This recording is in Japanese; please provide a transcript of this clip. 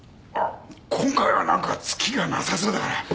今回は何かつきがなさそうだから。